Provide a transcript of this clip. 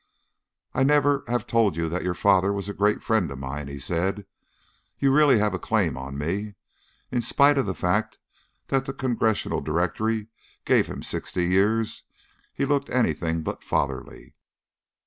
"I never have told you that your father was a great friend of mine," he said. "You really have a claim on me." In spite of the fact that the Congressional Directory gave him sixty years, he looked anything but fatherly.